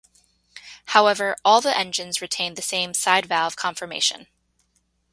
However, all the engines retained the same side-valve conformation.